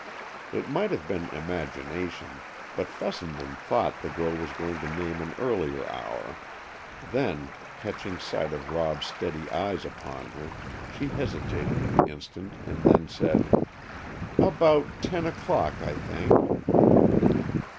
It might have been imagination, but Fessenden thought the girl was going to name an earlier hour, then, catching sight of Rob's steady eyes upon her, she hesitated an instant, and then said: "About ten o'clock, I think."